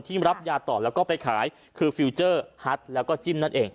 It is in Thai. รับยาต่อแล้วก็ไปขายคือฟิลเจอร์ฮัทแล้วก็จิ้มนั่นเอง